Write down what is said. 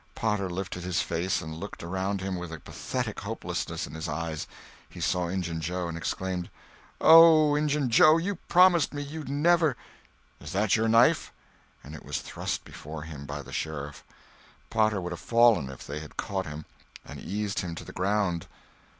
Potter lifted his face and looked around him with a pathetic hopelessness in his eyes. He saw Injun Joe, and exclaimed: "Oh, Injun Joe, you promised me you'd never—" "Is that your knife?" and it was thrust before him by the Sheriff. Potter would have fallen if they had not caught him and eased him to the ground.